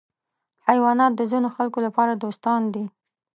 حیوانات د ځینو خلکو لپاره دوستان دي.